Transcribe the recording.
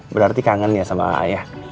berarti kangen ya sama ayah